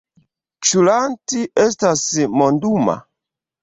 Ĉu Lanti estas monduma?